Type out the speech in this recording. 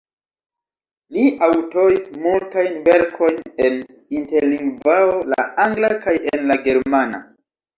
Li aŭtoris multajn verkojn en Interlingvao, la angla kaj en la germana.